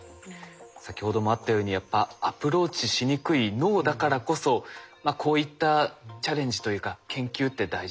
先ほどもあったようにやっぱアプローチしにくい脳だからこそこういったチャレンジというか研究って大事ですね。